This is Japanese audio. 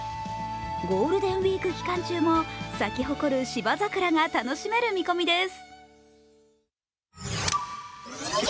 ゴールデンウイーク期間中も咲き誇る芝桜が楽しめる見込みです。